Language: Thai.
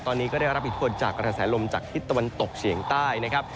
ตอนนี้ก็ได้รับอิทธิพลจากกระแสลมจากทิศตะวันตกเฉียงใต้นะครับ